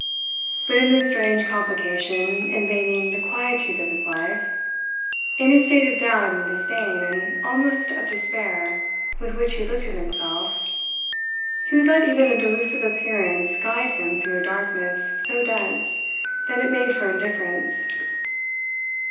But in this strange complication invading the quietude of his life, in his state of doubt and disdain and almost of despair with which he looked at himself, he would let even a delusive appearance guide him through a darkness so dense that it made for indifference.